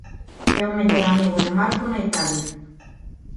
É o mellor amigo de Marco na Italia.